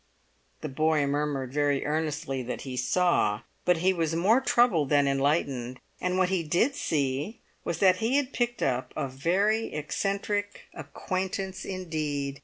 The boy murmured very earnestly that he saw; but he was more troubled than enlightened, and what he did see was that he had picked up a very eccentric acquaintance indeed.